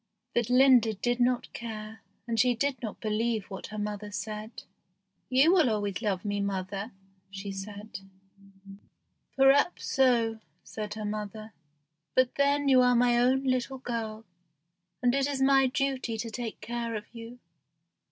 But Linda did not care, and she did not believe what her mother said. "You will always love me, Mother," said she. "Perhaps so," said her mother; "but then you are my own little girl, and it is my duty to take care of you.